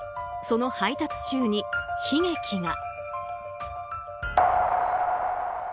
その配達中に悲劇が。